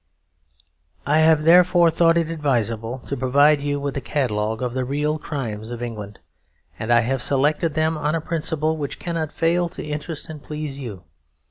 I have therefore thought it advisable to provide you with a catalogue of the real crimes of England; and I have selected them on a principle which cannot fail to interest and please you.